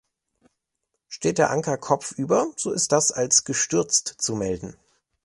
Steht der Anker kopfüber, so ist das als "gestürzt" zu melden.